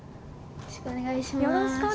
よろしくお願いします。